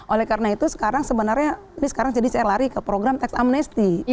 oleh karena itu sekarang sebenarnya ini sekarang jadi saya lari ke program teks amnesti